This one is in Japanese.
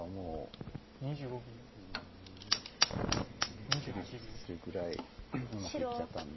びっくりするぐらいうまくいっちゃったんで。